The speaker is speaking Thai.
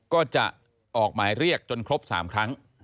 ก็จะออกหมายเรียกจนครบ๓ครั้ง